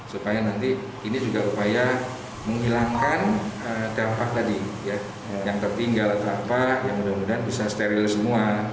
supaya nanti ini juga upaya menghilangkan dampak tadi yang tertinggal atau apa yang mudah mudahan bisa steril semua